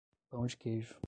Pão de queijo